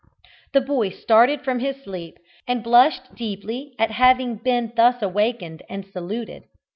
The boy started from his sleep, and blushed deeply at having been thus awakened and saluted.